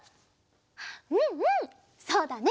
うんうんそうだね！